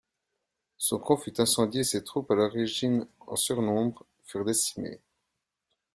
Son camp fut incendié et ses troupes, à l'origine en surnombre, furent décimées.